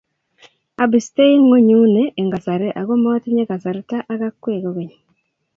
abistei ng'onyuni eng kasari ako motinye kasarta ak akwe kokeny